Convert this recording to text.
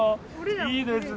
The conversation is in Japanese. いいですね。